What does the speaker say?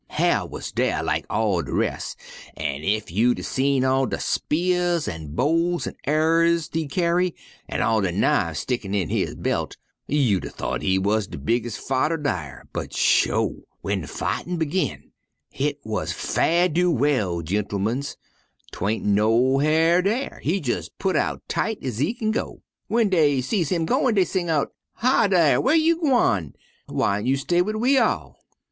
Hyar' wuz dar lak all de res', an' ef you'd 'a seed all de spears an' bows an' arrers he kyarry, an' all de knifes stickin' in his belt, you'd 'a thought he wuz de bigges' fighter dar. But sho! W'en de fightin' begin, hit wuz far' you well, gentermans! 'Twan't no Hyar' dar; he jes' putt out tight 'z he kin go. W'en dey see him goin' dey sing out: 'Hi, dar! Whar you gwine? Whyn't you stay wid we all?'